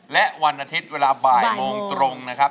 และวันอาทิตย์เวลาบ่ายโมงตรงนะครับ